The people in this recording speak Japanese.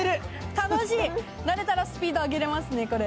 楽しい、慣れたらスピード上げられますね、これ。